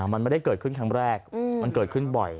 มันไม่ได้เกิดขึ้นครั้งแรกมันเกิดขึ้นบ่อย